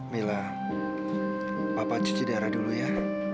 mila papa cuci darah dulu ya